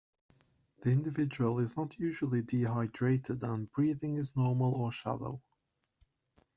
The individual is not usually dehydrated and breathing is normal or shallow.